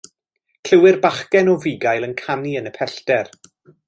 Clywir bachgen o fugail yn canu yn y pellter.